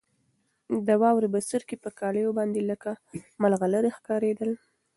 د واورې بڅرکي په کالیو باندې لکه ملغلرې ښکارېدل.